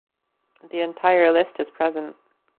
The entire list is present